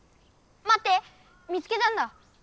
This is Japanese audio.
まって見つけたんだ！